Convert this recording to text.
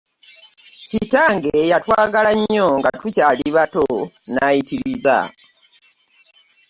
Kitange yatwagala nnyo nga tukyali bato nayitiriza.